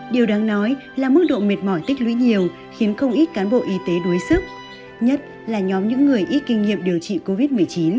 điều đáng nói là mức độ mệt mỏi tích lũy nhiều khiến không ít cán bộ y tế đuối sức nhất là nhóm những người ít kinh nghiệm điều trị covid một mươi chín